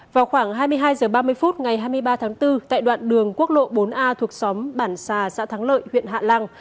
vào khoảng hai mươi hai h ba mươi phút ngày hai mươi ba tháng bốn tại đoạn đường quốc lộ bốn a thuộc xóm bản xà xã thắng lợi huyện hạ lăng